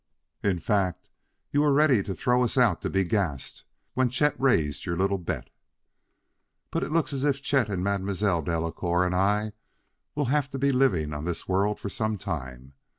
In fact you were ready to throw us out to be gassed when Chet raised your little bet. "But it looks as if Chet and Mademoiselle Delacouer and I will have to be living on this world for some time.